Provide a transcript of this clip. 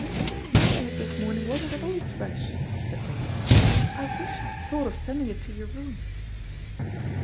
"My egg this morning wasn't at all fresh," said Dodo. "I wish I'd thought of sending it to your room."